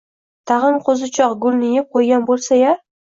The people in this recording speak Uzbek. Tag‘in qo‘zichoq gulni yeb qo‘ygan bo‘lsa-ya?